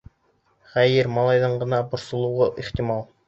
Хәйер, малайҙың ғына борсолоуы ихтимал.